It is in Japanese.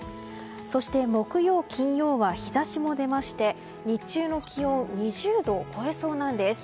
そして、木曜、金曜は日差しも出まして日中の気温２０度を超えそうなんです。